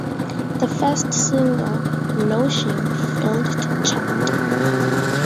The first single, "No Shame", failed to chart.